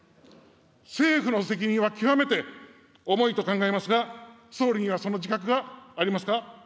政府の責任は極めて重いと考えますが、総理にはその自覚がありますか。